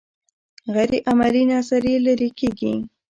غیر عملي نظریې لرې کیږي.